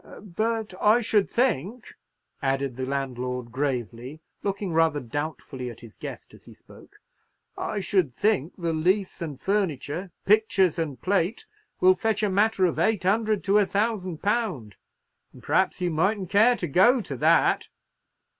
But I should think," added the landlord, gravely, looking rather doubtfully at his guest as he spoke, "I should think the lease and furniture, pictures and plate, will fetch a matter of eight hundred to a thousand pound; and perhaps you mightn't care to go to that?"